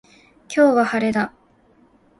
今日は晴れだ